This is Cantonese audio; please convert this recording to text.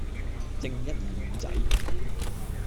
正一二五仔